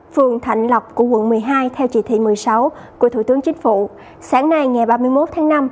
phường thạnh lộc của quận một mươi hai theo chỉ thị một mươi sáu của thủ tướng chính phủ sáng nay ngày ba mươi một tháng năm